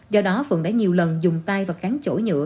do đó phượng đã nhiều lần dùng tay và cắn chỗ nhựa